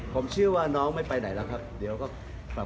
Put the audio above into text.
กาถิ่นบอกว่าแก้วมันร้าวอาจจะเหยียวยาแบบนั้น